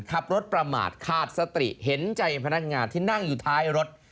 ขับรถประมาทขาดสติเห็นใจพนักงานที่นั่งอยู่ท้ายรถ